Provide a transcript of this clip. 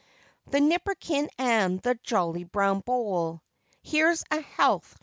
The nipperkin and the jolly brown bowl, Cho. Here's a health, &c.